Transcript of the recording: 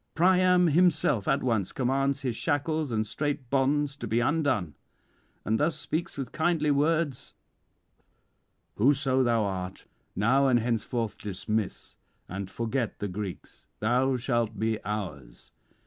Priam himself at once commands his shackles and strait bonds to be undone, and thus speaks with kindly words: "Whoso thou art, now and henceforth dismiss and forget the Greeks: thou shalt be ours.